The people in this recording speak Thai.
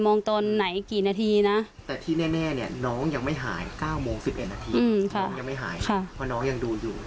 น้องยังไม่หายเพราะน้องยังดูอยู่